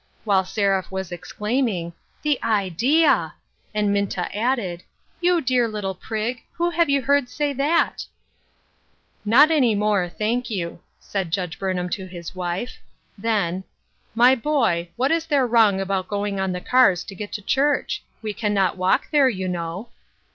" while Seraph was exclaiming, "The idea !" and Minta added :" You cl^ar little prig ! who have you heard say that ?"" Not any more, thank you," said Judge Burn ham to his wife. Then :" My boy, what is there wrong about going on the cars to get to church ? We can not walk there, you know."